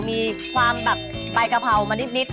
มีความแบบไปกระเภามานิด